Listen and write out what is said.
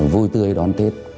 vui tươi đón tết